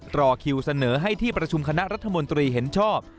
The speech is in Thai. รอคิวเสนอให้ที่ประชุมคณะรัฐมนตรีเห็นชอบ